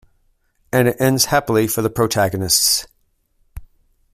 And it ends happily for the protagonists.